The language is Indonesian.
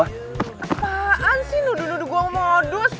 apaan sih nudu nudu gua modus